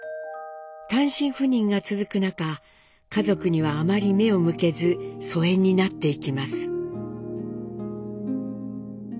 単身赴任が続く中家族にはあまり目を向けず疎遠になっていきます。